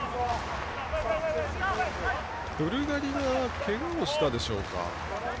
ブルガリがけがをしたでしょうか。